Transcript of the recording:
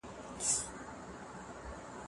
ستاسو په هر ګام کي به بریا وي.